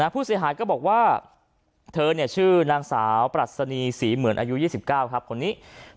ผู้เสียหายก็บอกว่าเธอชื่อนางสาวปรัชนีศรีเหมือนอายุ๒๙ครับคนนี้